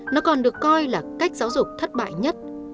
nó còn được coi là cách giáo dục thất bại nhất